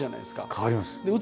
変わります。